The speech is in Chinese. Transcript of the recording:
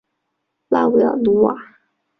拉韦尔努瓦。